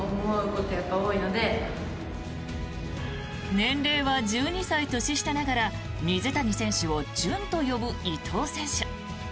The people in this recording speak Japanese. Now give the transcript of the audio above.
年齢は１２歳年下ながら水谷選手を隼と呼ぶ伊藤選手。